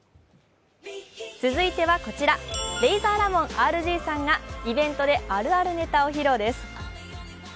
続いてはこちら、レイザーラモンＲＧさんがイベントであるあるネタを披露です。